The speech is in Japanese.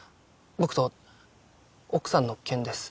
僕と奥さんの件です。